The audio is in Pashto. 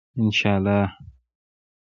انشاالله.